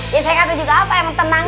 ya saya ngatain juga apa emang tenang kan